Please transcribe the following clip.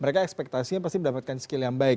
mereka ekspektasinya pasti mendapatkan skill yang baik